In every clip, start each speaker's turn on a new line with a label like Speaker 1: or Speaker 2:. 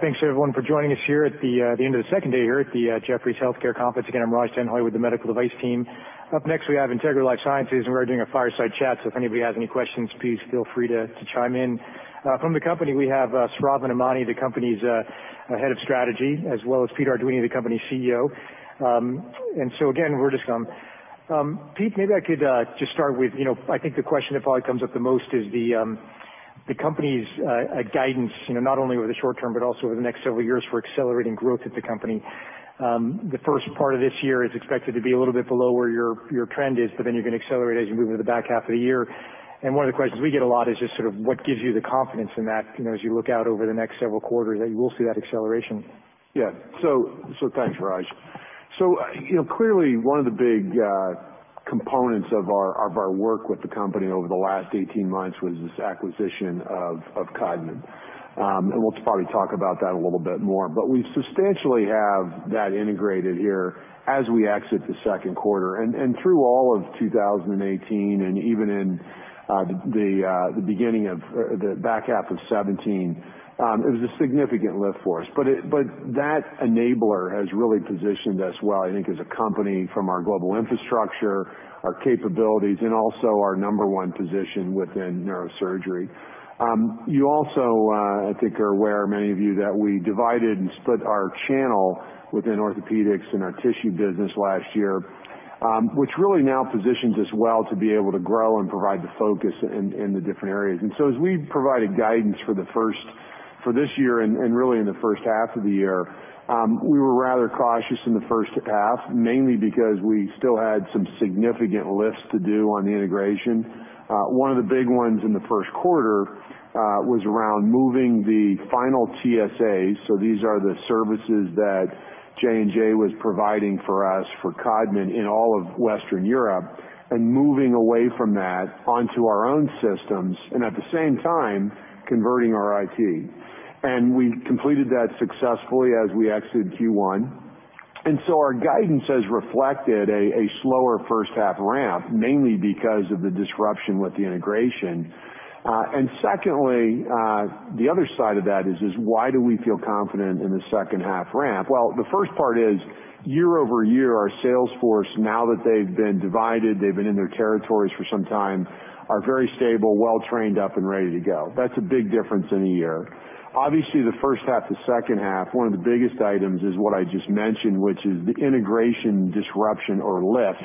Speaker 1: Thanks, everyone, for joining us here at the end of the second day here at the Jefferies Healthcare Conference. Again, I'm Raj Denhoy with the medical device team. Up next, we have Integra LifeSciences, and we're doing a fireside chat. So if anybody has any questions, please feel free to chime in. From the company, we have Sravan Emany, the company's head of strategy, as well as Pete Arduini, the company's CEO. And so again, we're just... Pete, maybe I could just start with, I think the question that probably comes up the most is the company's guidance, not only over the short term but also over the next several years for accelerating growth at the company. The first part of this year is expected to be a little bit below where your trend is, but then you're going to accelerate as you move into the back half of the year, and one of the questions we get a lot is just sort of what gives you the confidence in that as you look out over the next several quarters that you will see that acceleration?
Speaker 2: Yeah. So thanks, Raj. So clearly, one of the big components of our work with the company over the last 18 months was this acquisition of Codman. And we'll probably talk about that a little bit more. But we substantially have that integrated here as we exit the second quarter. And through all of 2018 and even in the beginning of the back half of 2017, it was a significant lift for us. But that enabler has really positioned us well, I think, as a company from our global infrastructure, our capabilities, and also our number one position within neurosurgery. You also, I think, are aware, many of you, that we divided and split our channel within orthopedics and our tissue business last year, which really now positions us well to be able to grow and provide the focus in the different areas. And so as we provided guidance for this year and really in the first half of the year, we were rather cautious in the first half, mainly because we still had some significant lifts to do on the integration. One of the big ones in the first quarter was around moving the final TSAs. So these are the services that J&J was providing for us for Codman in all of Western Europe and moving away from that onto our own systems and at the same time converting our IT. And we completed that successfully as we exited Q1. And so our guidance has reflected a slower first half ramp, mainly because of the disruption with the integration. And secondly, the other side of that is, why do we feel confident in the second half ramp? The first part is, year over year, our sales force, now that they've been divided, they've been in their territories for some time, are very stable, well-trained, up, and ready to go. That's a big difference in a year. Obviously, the first half to second half, one of the biggest items is what I just mentioned, which is the integration disruption or lift.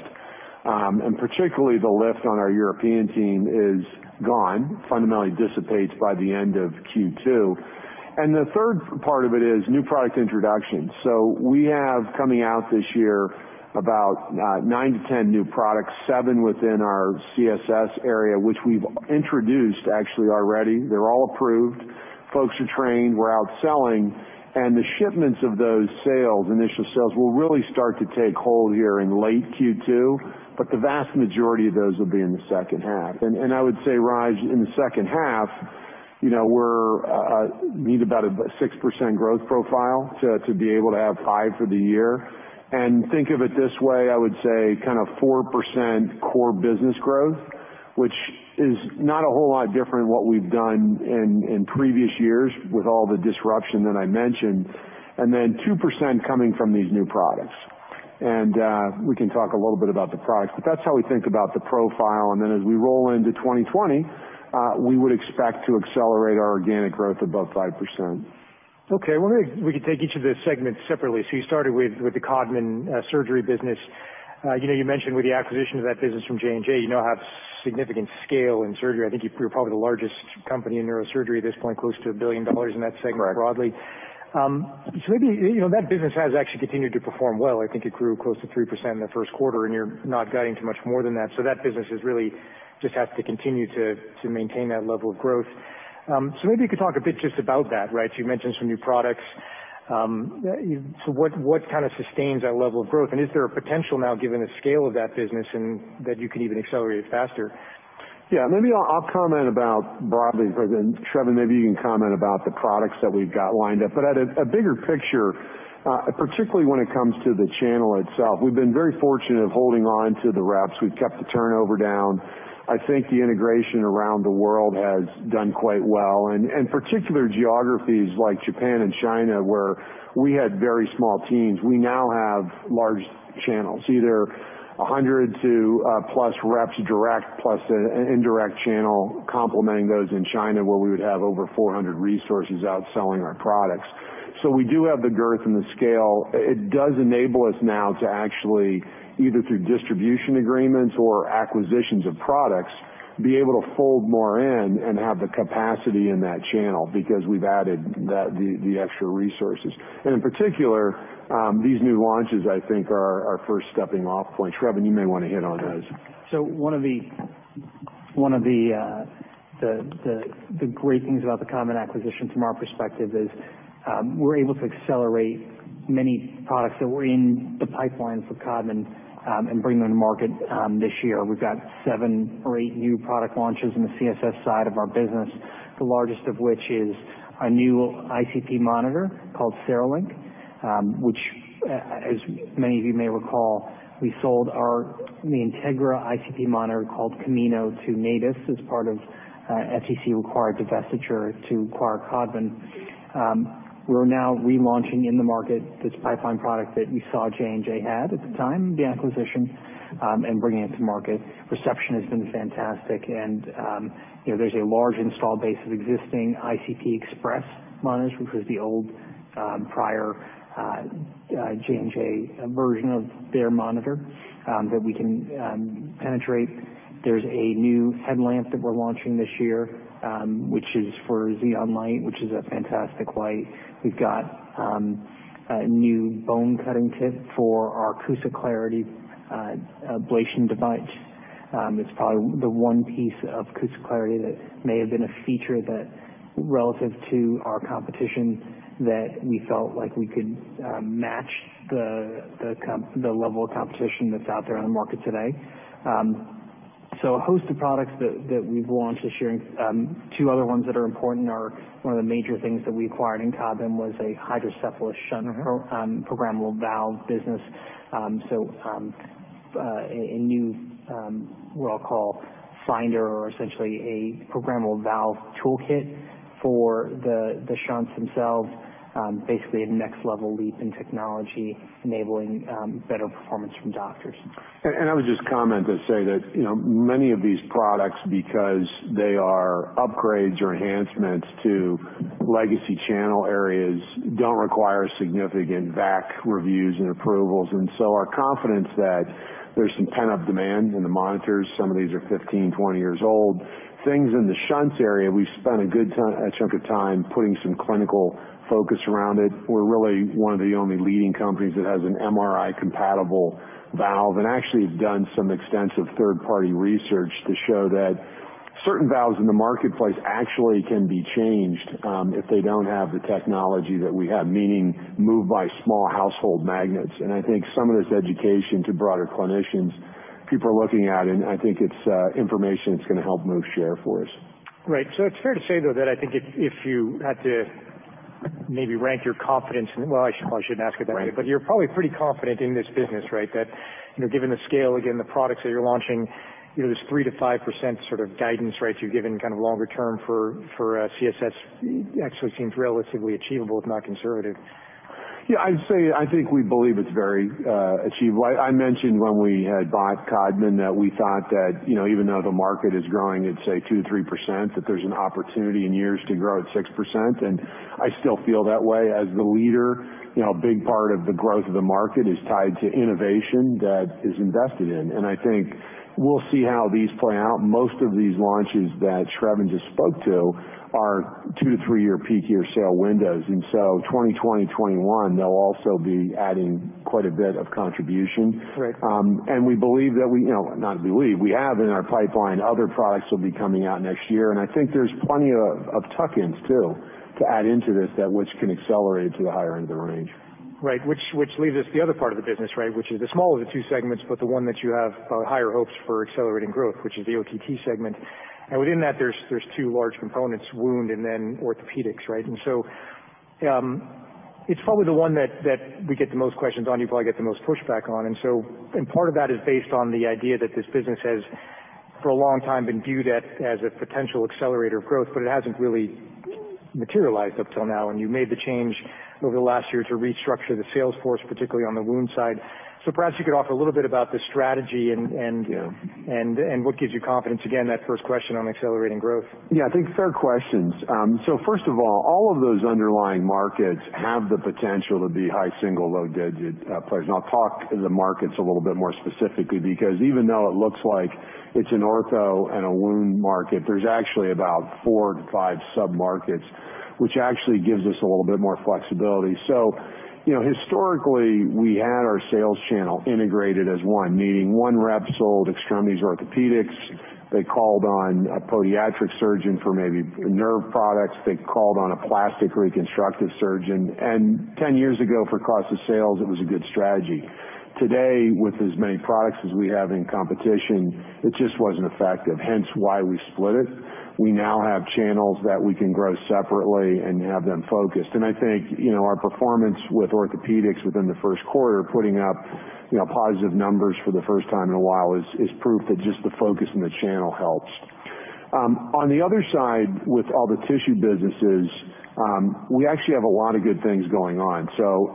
Speaker 2: Particularly, the lift on our European team is gone, fundamentally dissipates by the end of Q2. The third part of it is new product introductions. We have coming out this year about nine to 10 new products, seven within our CSS area, which we've introduced actually already. They're all approved. Folks are trained. We're out selling. The shipments of those sales, initial sales, will really start to take hold here in late Q2. But the vast majority of those will be in the second half. And I would say, Raj, in the second half, we need about a 6% growth profile to be able to have 5% for the year. And think of it this way, I would say kind of 4% core business growth, which is not a whole lot different than what we've done in previous years with all the disruption that I mentioned, and then 2% coming from these new products. And we can talk a little bit about the products. But that's how we think about the profile. And then as we roll into 2020, we would expect to accelerate our organic growth above 5%.
Speaker 1: Okay. We can take each of the segments separately. So you started with the Codman surgery business. You mentioned with the acquisition of that business from J&J, you now have significant scale in surgery. I think you're probably the largest company in neurosurgery at this point, close to $1 billion in that segment broadly. So maybe that business has actually continued to perform well. I think it grew close to 3% in the first quarter, and you're not getting to much more than that. So that business really just has to continue to maintain that level of growth. So maybe you could talk a bit just about that, right? So you mentioned some new products. So what kind of sustains that level of growth? And is there a potential now, given the scale of that business, that you can even accelerate it faster?
Speaker 2: Yeah. Maybe I'll comment about broadly. But then Sravan, maybe you can comment about the products that we've got lined up. But at a bigger picture, particularly when it comes to the channel itself, we've been very fortunate of holding on to the reps. We've kept the turnover down. I think the integration around the world has done quite well. And particular geographies like Japan and China, where we had very small teams, we now have large channels, either 100 to plus reps direct plus an indirect channel complementing those in China, where we would have over 400 resources out selling our products. So we do have the girth and the scale. It does enable us now to actually, either through distribution agreements or acquisitions of products, be able to fold more in and have the capacity in that channel because we've added the extra resources. And in particular, these new launches, I think, are our first stepping off points. Sravan, you may want to hit on those.
Speaker 3: One of the great things about the Codman acquisition from our perspective is we're able to accelerate many products that were in the pipeline for Codman and bring them to market this year. We've got seven or eight new product launches on the CSS side of our business, the largest of which is a new ICP monitor called CereLink, which, as many of you may recall, we sold the Integra ICP monitor called Camino to Natus as part of FTC-required divestiture to acquire Codman. We're now relaunching in the market this pipeline product that we saw J&J had at the time, the acquisition, and bringing it to market. Reception has been fantastic. There's a large install base of existing ICP Express monitors, which was the old prior J&J version of their monitor that we can penetrate. There's a new headlamp that we're launching this year, which is for xenon light, which is a fantastic light. We've got a new bone-cutting tip for our CUSA Clarity ablation device. It's probably the one piece of CUSA Clarity that may have been a feature relative to our competition that we felt like we could match the level of competition that's out there on the market today. So a host of products that we've launched this year. Two other ones that are important are one of the major things that we acquired in Codman was a hydrocephalus shunt or programmable valve business. So a new, what I'll call, finder or essentially a programmable valve toolkit for the shunts themselves, basically a next-level leap in technology enabling better performance from doctors.
Speaker 2: I would just comment to say that many of these products, because they are upgrades or enhancements to legacy channel areas, don't require significant VAC reviews and approvals. So our confidence that there's some pent-up demand in the monitors, some of these are 15, 20 years old, things in the shunt area, we've spent a good chunk of time putting some clinical focus around it. We're really one of the only leading companies that has an MRI-compatible valve and actually have done some extensive third-party research to show that certain valves in the marketplace actually can be changed if they don't have the technology that we have, meaning moved by small household magnets. I think some of this education to broader clinicians, people are looking at it, and I think it's information that's going to help move share for us.
Speaker 1: Right. So it's fair to say, though, that I think if you had to maybe rank your confidence, well, I shouldn't ask you that, but you're probably pretty confident in this business, right, that given the scale, again, the products that you're launching, there's 3%-5% sort of guidance, right, you're given kind of longer term for CSS actually seems relatively achievable, if not conservative.
Speaker 2: Yeah. I'd say I think we believe it's very achievable. I mentioned when we had bought Codman that we thought that even though the market is growing at, say, 2%-3%, that there's an opportunity in years to grow at 6%. And I still feel that way as the leader. A big part of the growth of the market is tied to innovation that is invested in. And I think we'll see how these play out. Most of these launches that Sravan just spoke to are 2-3-year peak year sale windows. And so 2020, 2021, they'll also be adding quite a bit of contribution. And we believe that. We have in our pipeline other products will be coming out next year. And I think there's plenty of tuck-ins too to add into this that which can accelerate to the higher end of the range.
Speaker 1: Right. Which leads us to the other part of the business, right, which is the smaller of the two segments, but the one that you have higher hopes for accelerating growth, which is the OTT segment. And within that, there's two large components, wound and then orthopedics, right? And so it's probably the one that we get the most questions on, you probably get the most pushback on. And part of that is based on the idea that this business has for a long time been viewed as a potential accelerator of growth, but it hasn't really materialized up till now. And you made the change over the last year to restructure the sales force, particularly on the wound side. So perhaps you could offer a little bit about the strategy and what gives you confidence, again, that first question on accelerating growth.
Speaker 2: Yeah. I think [those are] fair questions. So first of all, all of those underlying markets have the potential to be high single-digit, low double-digit players. And I'll talk about the markets a little bit more specifically because even though it looks like it's an ortho and a wound market, there's actually about four to five sub-markets, which actually gives us a little bit more flexibility. So historically, we had our sales channel integrated as one, meaning one rep sold extremities orthopedics. They called on a podiatric surgeon for maybe nerve products. They called on a plastic reconstructive surgeon. And 10 years ago, for cost of sales, it was a good strategy. Today, with as many products as we have in competition, it just wasn't effective, hence why we split it. We now have channels that we can grow separately and have them focused. I think our performance with orthopedics within the first quarter, putting up positive numbers for the first time in a while, is proof that just the focus in the channel helps. On the other side, with all the tissue businesses, we actually have a lot of good things going on.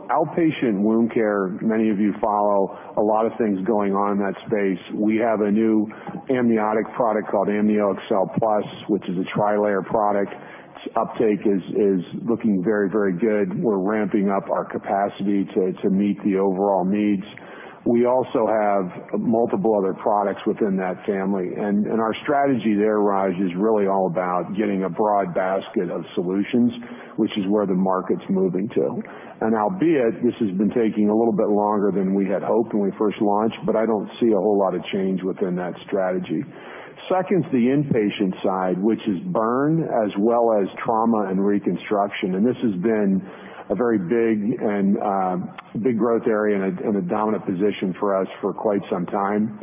Speaker 2: Outpatient wound care, many of you follow, a lot of things going on in that space. We have a new amniotic product called AmnioExcel Plus, which is a tri-layer product. Its uptake is looking very, very good. We're ramping up our capacity to meet the overall needs. We also have multiple other products within that family. Our strategy there, Raj, is really all about getting a broad basket of solutions, which is where the market's moving to. Albeit, this has been taking a little bit longer than we had hoped when we first launched, but I don't see a whole lot of change within that strategy. Second is the inpatient side, which is burns as well as trauma and reconstruction. This has been a very big growth area and a dominant position for us for quite some time.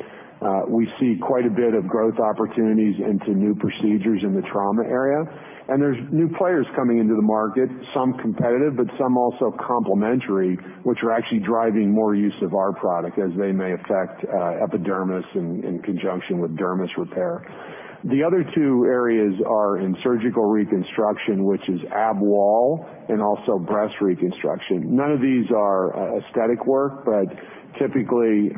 Speaker 2: We see quite a bit of growth opportunities into new procedures in the trauma area. There's new players coming into the market, some competitive, but some also complementary, which are actually driving more use of our product as they may affect epidermis in conjunction with dermis repair. The other two areas are in surgical reconstruction, which is ab wall and also breast reconstruction. None of these are aesthetic work, but typically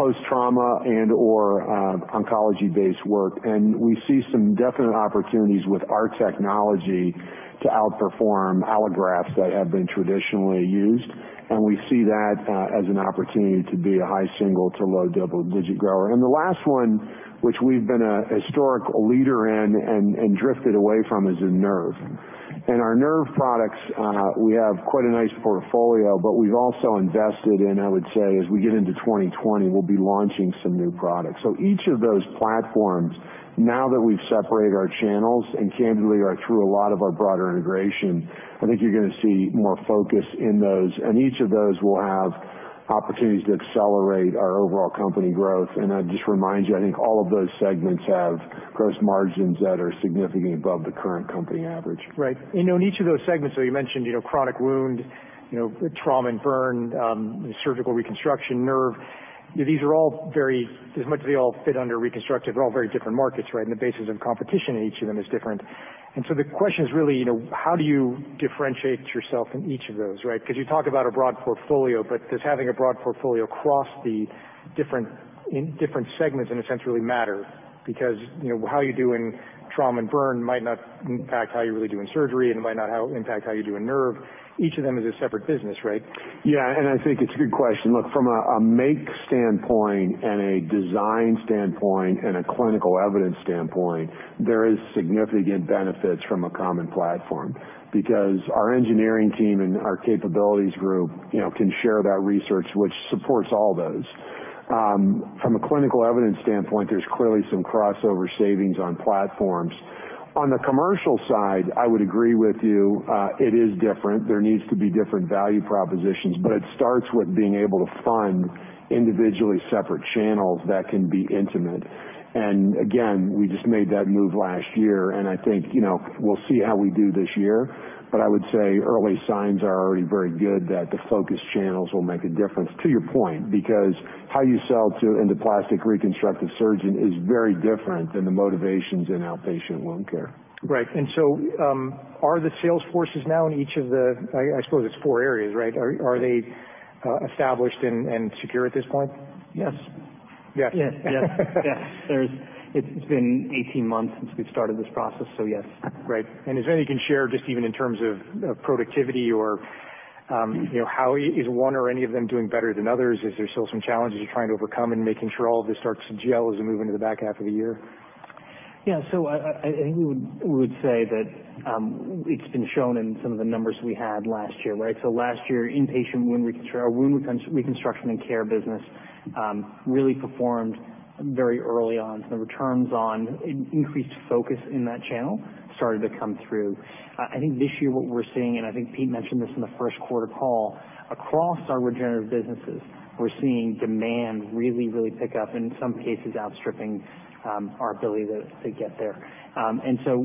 Speaker 2: post-trauma and/or oncology-based work. We see some definite opportunities with our technology to outperform allografts that have been traditionally used. We see that as an opportunity to be a high single to low digit grower. The last one, which we've been a historical leader in and drifted away from, is in nerve. Our nerve products, we have quite a nice portfolio, but we've also invested in. I would say, as we get into 2020, we'll be launching some new products. Each of those platforms, now that we've separated our channels and candidly are through a lot of our broader integration, I think you're going to see more focus in those. Each of those will have opportunities to accelerate our overall company growth. I just remind you, I think all of those segments have gross margins that are significantly above the current company average.
Speaker 1: Right. And on each of those segments, so you mentioned chronic wound, trauma and burn, surgical reconstruction, nerve. These are all very, as much as they all fit under reconstructive, they're all very different markets, right? And the basis of competition in each of them is different. And so the question is really, how do you differentiate yourself in each of those, right? Because you talk about a broad portfolio, but does having a broad portfolio across the different segments in a sense really matter? Because how you do in trauma and burn might not impact how you really do in surgery and might not impact how you do in nerve. Each of them is a separate business, right?
Speaker 2: Yeah. And I think it's a good question. Look, from a make standpoint and a design standpoint and a clinical evidence standpoint, there is significant benefits from a common platform because our engineering team and our capabilities group can share that research, which supports all those. From a clinical evidence standpoint, there's clearly some crossover savings on platforms. On the commercial side, I would agree with you, it is different. There needs to be different value propositions, but it starts with being able to fund individually separate channels that can be intimate. And again, we just made that move last year. And I think we'll see how we do this year. But I would say early signs are already very good that the focus channels will make a difference to your point because how you sell into plastic reconstructive surgeon is very different than the motivations in outpatient wound care.
Speaker 1: Right. And so are the sales forces now in each of the, I suppose it's four areas, right? Are they established and secure at this point?
Speaker 3: Yes.
Speaker 1: Yes.
Speaker 3: Yes. Yes. It's been 18 months since we've started this process, so yes.
Speaker 1: Right. And is there anything you can share just even in terms of productivity or how is one or any of them doing better than others? Is there still some challenges you're trying to overcome in making sure all of this starts to gel as we move into the back half of the year?
Speaker 3: Yeah. So I think we would say that it's been shown in some of the numbers we had last year, right? So last year, inpatient wound reconstruction and care business really performed very early on. The returns on increased focus in that channel started to come through. I think this year what we're seeing, and I think Pete mentioned this in the first quarter call, across our regenerative businesses, we're seeing demand really, really pick up and in some cases outstripping our ability to get there. And so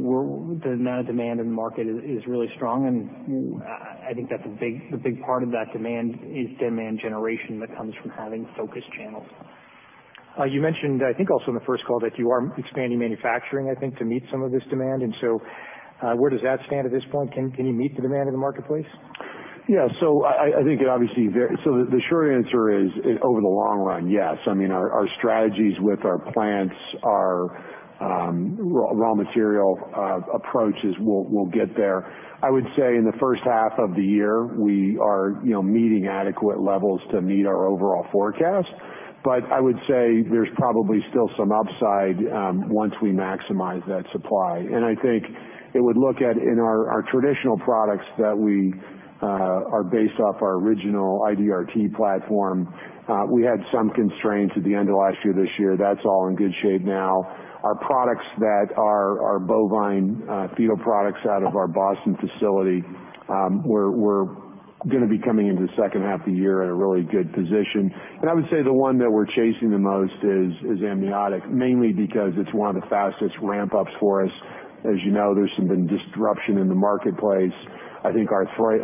Speaker 3: the amount of demand in the market is really strong. And I think that the big part of that demand is demand generation that comes from having focused channels.
Speaker 1: You mentioned, I think also in the first call, that you are expanding manufacturing, I think, to meet some of this demand. And so where does that stand at this point? Can you meet the demand in the marketplace?
Speaker 2: Yeah. So I think it obviously so the short answer is over the long run, yes. I mean, our strategies with our plants, our raw material approaches will get there. I would say in the first half of the year, we are meeting adequate levels to meet our overall forecast. But I would say there's probably still some upside once we maximize that supply. And I think it would look at in our traditional products that we are based off our original IDRT platform, we had some constraints at the end of last year. This year, that's all in good shape now. Our products that are bovine fetal products out of our Boston facility were going to be coming into the second half of the year at a really good position. I would say the one that we're chasing the most is amniotic, mainly because it's one of the fastest ramp-ups for us. As you know, there's some disruption in the marketplace. I think our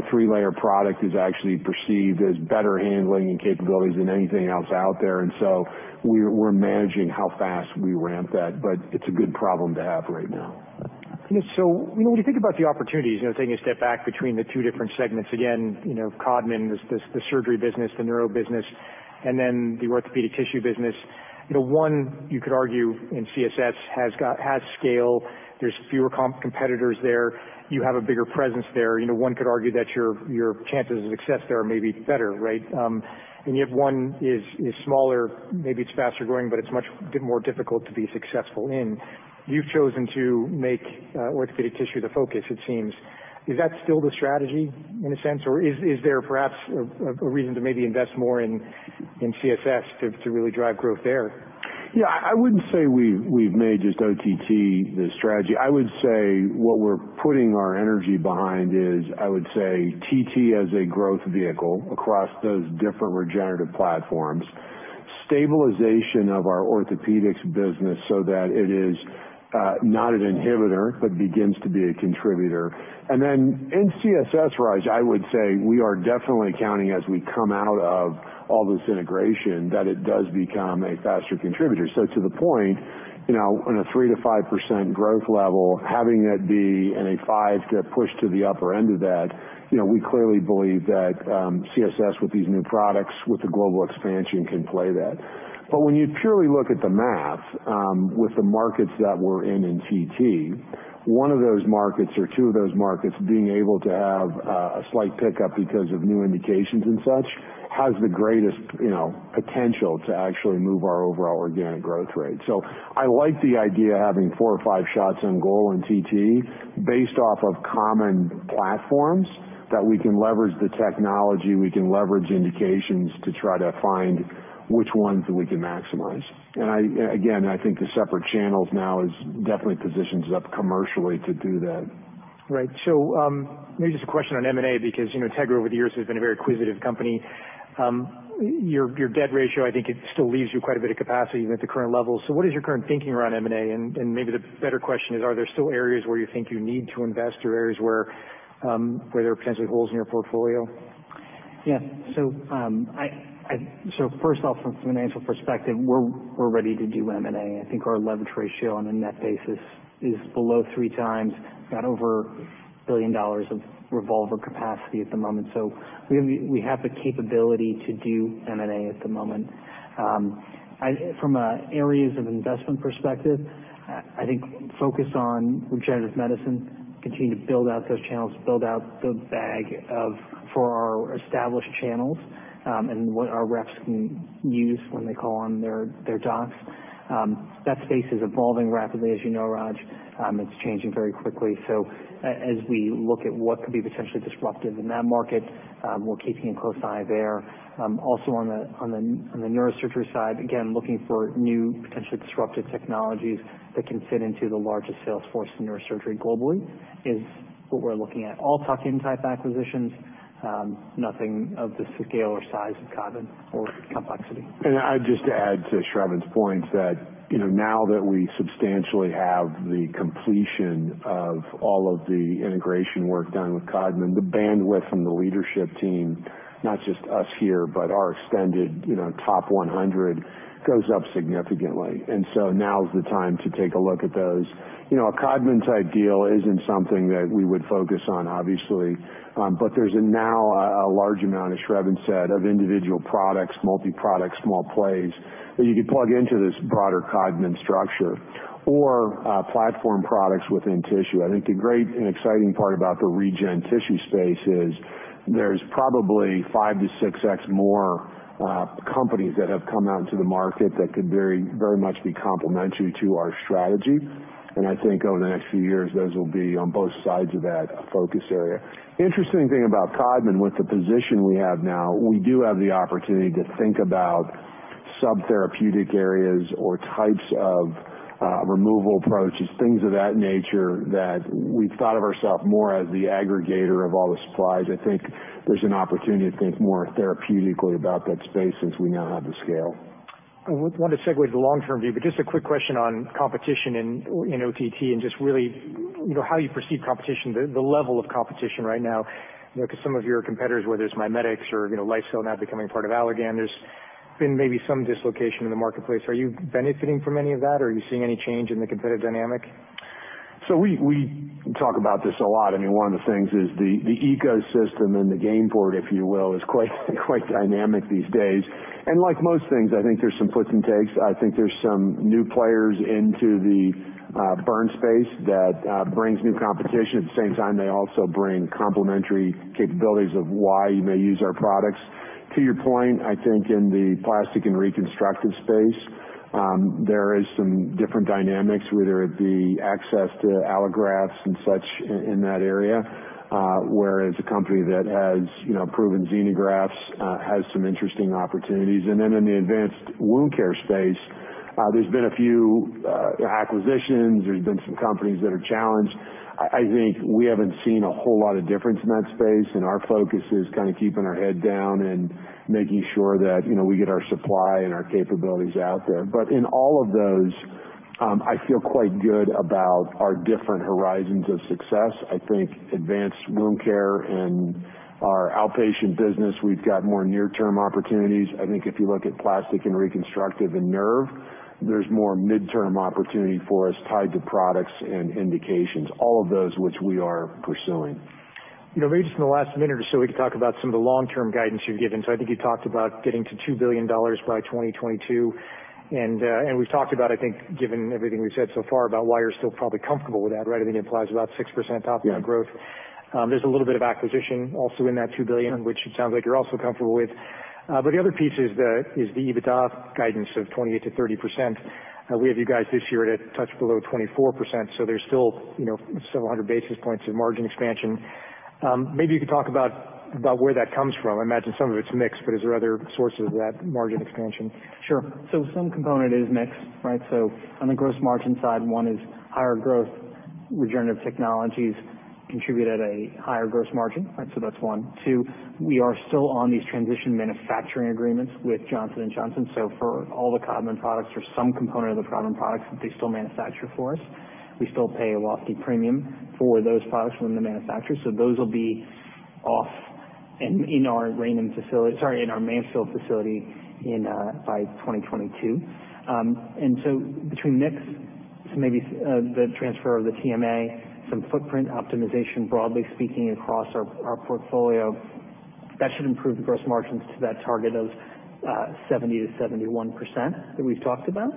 Speaker 2: three-layer product is actually perceived as better handling and capabilities than anything else out there. So we're managing how fast we ramp that, but it's a good problem to have right now.
Speaker 1: So when you think about the opportunities, taking a step back between the two different segments, again, Codman, the surgery business, the neuro business, and then the orthopedic tissue business, one, you could argue in CSS has scale. There's fewer competitors there. You have a bigger presence there. One could argue that your chances of success there are maybe better, right? And yet one is smaller. Maybe it's faster growing, but it's much more difficult to be successful in. You've chosen to make orthopedic tissue the focus, it seems. Is that still the strategy in a sense? Or is there perhaps a reason to maybe invest more in CSS to really drive growth there?
Speaker 2: Yeah. I wouldn't say we've made just OTT the strategy. I would say what we're putting our energy behind is, I would say TT as a growth vehicle across those different regenerative platforms, stabilization of our orthopedics business so that it is not an inhibitor, but begins to be a contributor. And then in CSS, Raj, I would say we are definitely counting as we come out of all this integration that it does become a faster contributor. So to the point, on a 3%-5% growth level, having it be in a 5% to push to the upper end of that, we clearly believe that CSS with these new products, with the global expansion, can play that. But when you purely look at the math with the markets that we're in in OTT, one of those markets or two of those markets being able to have a slight pickup because of new indications and such has the greatest potential to actually move our overall organic growth rate. So I like the idea of having four or five shots on goal in OTT based off of common platforms that we can leverage the technology, we can leverage indications to try to find which ones that we can maximize. And again, I think the separate channels now is definitely positions up commercially to do that.
Speaker 1: Right. So maybe just a question on M&A because Integra over the years has been a very acquisitive company. Your debt ratio, I think it still leaves you quite a bit of capacity at the current level. So what is your current thinking around M&A? And maybe the better question is, are there still areas where you think you need to invest or areas where there are potentially holes in your portfolio?
Speaker 3: Yeah. So first off, from a financial perspective, we're ready to do M&A. I think our leverage ratio on a net basis is below three times, got over $1 billion of revolver capacity at the moment. So we have the capability to do M&A at the moment. From an areas of investment perspective, I think focus on regenerative medicine, continue to build out those channels, build out the bag for our established channels and what our reps can use when they call on their docs. That space is evolving rapidly, as you know, Raj. It's changing very quickly. So as we look at what could be potentially disruptive in that market, we're keeping a close eye there. Also on the neurosurgery side, again, looking for new potentially disruptive technologies that can fit into the largest sales force in neurosurgery globally is what we're looking at. All tuck-in-type acquisitions, nothing of the scale or size of Codman or complexity.
Speaker 2: I'd just add to Sravan's points that now that we substantially have the completion of all of the integration work done with Codman, the bandwidth from the leadership team, not just us here, but our extended top 100 goes up significantly. So now's the time to take a look at those. A Codman-type deal isn't something that we would focus on, obviously. But there's now a large amount, as Sravan said, of individual products, multi-products, small plays that you could plug into this broader Codman structure or platform products within tissue. I think the great and exciting part about the regen tissue space is there's probably five to six X more companies that have come out to the market that could very much be complementary to our strategy. I think over the next few years, those will be on both sides of that focus area. Interesting thing about Codman with the position we have now, we do have the opportunity to think about subtherapeutic areas or types of removal approaches, things of that nature that we've thought of ourselves more as the aggregator of all the supplies. I think there's an opportunity to think more therapeutically about that space since we now have the scale.
Speaker 1: I want to segue to the long-term view, but just a quick question on competition in OTT and just really how you perceive competition, the level of competition right now, because some of your competitors, whether it's MiMedx or LifeCell now becoming part of Allergan, there's been maybe some dislocation in the marketplace. Are you benefiting from any of that? Are you seeing any change in the competitive dynamic?
Speaker 2: So we talk about this a lot. I mean, one of the things is the ecosystem and the game board, if you will, is quite dynamic these days. And like most things, I think there's some flips and takes. I think there's some new players into the burn space that brings new competition. At the same time, they also bring complementary capabilities of why you may use our products. To your point, I think in the plastic and reconstructive space, there are some different dynamics, whether it be access to allografts and such in that area, whereas a company that has proven xenografts has some interesting opportunities. And then in the advanced wound care space, there's been a few acquisitions. There's been some companies that are challenged. I think we haven't seen a whole lot of difference in that space. And our focus is kind of keeping our head down and making sure that we get our supply and our capabilities out there. But in all of those, I feel quite good about our different horizons of success. I think advanced wound care and our outpatient business, we've got more near-term opportunities. I think if you look at plastic and reconstructive and nerve, there's more midterm opportunity for us tied to products and indications, all of those which we are pursuing.
Speaker 1: Maybe just in the last minute or so, we could talk about some of the long-term guidance you've given. So I think you talked about getting to $2 billion by 2022. And we've talked about, I think, given everything we've said so far about why you're still probably comfortable with that, right? I think it implies about 6% top-down growth. There's a little bit of acquisition also in that $2 billion, which it sounds like you're also comfortable with. But the other piece is the EBITDA guidance of 28%-30%. We have you guys this year at a touch below 24%. So there's still several hundred basis points of margin expansion. Maybe you could talk about where that comes from. I imagine some of it's mixed, but is there other sources of that margin expansion?
Speaker 3: Sure. So some component is mixed, right? So on the gross margin side, one is higher growth. Regenerative technologies contribute at a higher gross margin, right? So that's one. Two, we are still on these transition manufacturing agreements with Johnson & Johnson. So for all the Codman products or some component of the Codman products that they still manufacture for us, we still pay a lofty premium for those products when they're manufactured. So those will be off in our Mansfield facility by 2022. And so between mixed, so maybe the transfer of the TMA, some footprint optimization, broadly speaking, across our portfolio, that should improve the gross margins to that target of 70%-71% that we've talked about.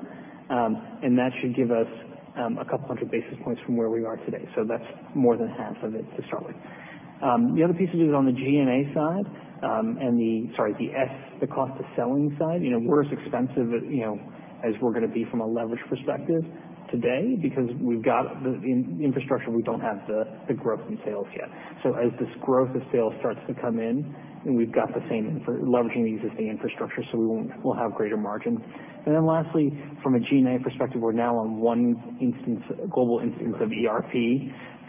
Speaker 3: And that should give us a couple hundred basis points from where we are today. So that's more than half of it to start with. The other piece to do is on the G&A side and the, sorry, the cost of selling side. We're as expensive as we're going to be from a leverage perspective today because we've got the infrastructure. We don't have the growth in sales yet. So as this growth of sales starts to come in, we've got the same leveraging the existing infrastructure, so we'll have greater margins. And then lastly, from a G&A perspective, we're now on one global instance of ERP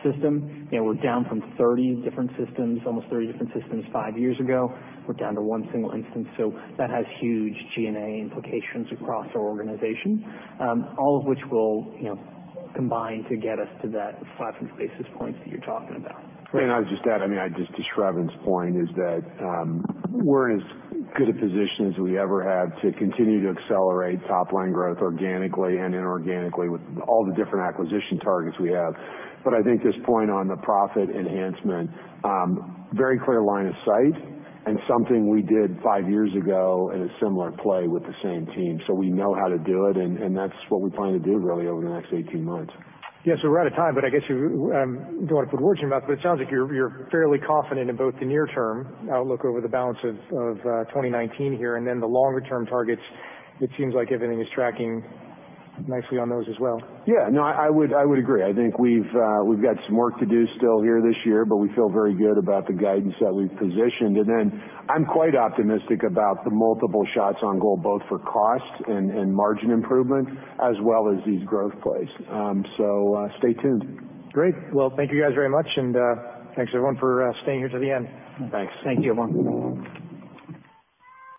Speaker 3: system. We're down from 30 different systems, almost 30 different systems five years ago. We're down to one single instance. So that has huge G&A implications across our organization, all of which will combine to get us to that 500 basis points that you're talking about.
Speaker 2: I'll just add, I mean, just to Sravan's point, that we're in as good a position as we ever have to continue to accelerate top-line growth organically and inorganically with all the different acquisition targets we have. But I think this point on the profit enhancement, very clear line of sight, and something we did five years ago in a similar play with the same team. So we know how to do it, and that's what we plan to do really over the next 18 months.
Speaker 1: Yeah, so we're out of time, but I guess you don't want to put words in your mouth, but it sounds like you're fairly confident in both the near-term outlook over the balance of 2019 here and then the longer-term targets. It seems like everything is tracking nicely on those as well.
Speaker 2: Yeah. No, I would agree. I think we've got some work to do still here this year, but we feel very good about the guidance that we've positioned, and then I'm quite optimistic about the multiple shots on goal, both for cost and margin improvement, as well as these growth plays, so stay tuned.
Speaker 1: Great. Well, thank you guys very much. And thanks everyone for staying here to the end.
Speaker 2: Thanks.
Speaker 3: Thank you everyone.